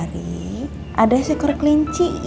mamaaru juga intoksi